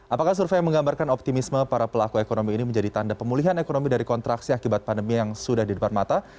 apakah survei yang menggambarkan optimisme para pelaku ekonomi ini menjadi tanda pemulihan ekonomi dari kontraksi akibat pandemi yang sudah di depan mata